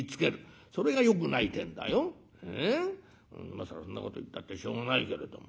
今更そんなこと言ったってしょうがないけれども。